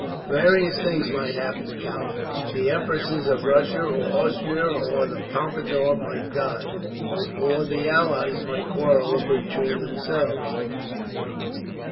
"Various things might happen, count. The Empresses of Russia or Austria or the Pompadour might die, or the allies might quarrel between themselves.